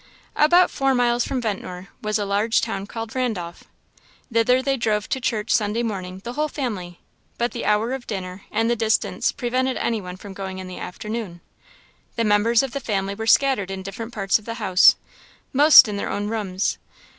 About four miles from Ventnor was a large town called Randolph. Thither they drove to church Sunday morning, the whole family; but the hour of dinner and the distance prevented any one from going in the afternoon. The members of the family were scattered in different parts of the house, most in their own rooms.